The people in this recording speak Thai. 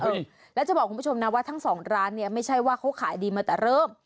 แล้วจะบอกคุณผู้ชมนะว่าทั้งสองร้านเนี้ยไม่ใช่ว่าเขาขายดีมาแต่เริ่ม